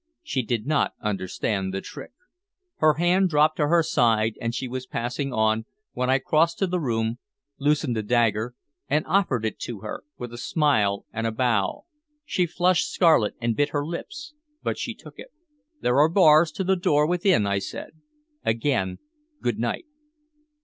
She did not understand the trick. Her hand dropped to her side, and she was passing on, when I crossed the room, loosened the dagger, and offered it to her, with a smile and a bow. She flushed scarlet and bit her lips, but she took it. "There are bars to the door within," I said. "Again, good night."